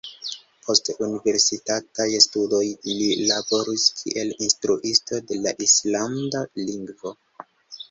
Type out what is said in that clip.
Post universitataj studoj li laboris kiel instruisto de la islanda lingvo.